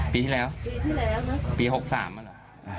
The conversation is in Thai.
ปีที่แล้วปี๖๓แหละ